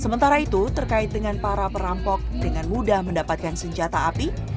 sementara itu terkait dengan para perampok dengan mudah mendapatkan senjata api